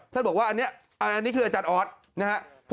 ท่านบอกว่าอันนี้คืออาจารย์ออสนะครับ